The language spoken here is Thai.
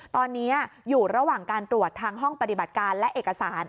ตอนนี้อยู่ระหว่างการตรวจทางห้องปฏิบัติการและเอกสาร